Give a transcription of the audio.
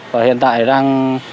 và hiện tại đang